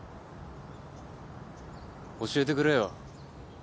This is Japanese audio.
教えてくれよ。